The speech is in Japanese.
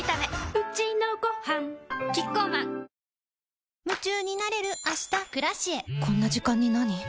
うちのごはんキッコーマンこんな時間になに？